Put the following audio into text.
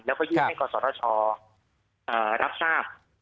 แล้วก็ยื่นให้กศชรับทราบ